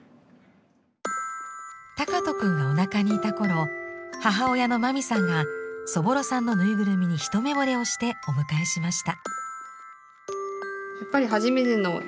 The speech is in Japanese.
敬斗くんがおなかにいた頃母親のまみさんがそぼろさんのぬいぐるみに一目惚れをしてお迎えしました。